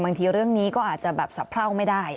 บางทีเรื่องนี้ก็อาจจะแบบสะเพราไม่ได้